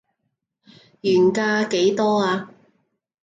原價幾多啊